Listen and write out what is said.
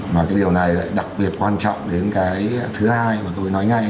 mà cái điều này lại đặc biệt quan trọng đến cái thứ hai mà tôi nói ngay